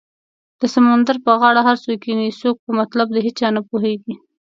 د سمندر په غاړه هر څوک کینې څوک په مطلب د هیچا نه پوهیږې